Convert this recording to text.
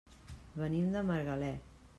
Venim de Margalef.